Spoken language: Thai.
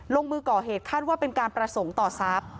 ลงมือก่อเหตุคาดว่าเป็นการประสงค์ต่อทรัพย์